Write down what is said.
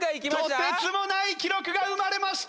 とてつもない記録が生まれました。